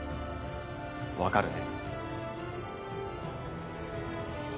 分かるね？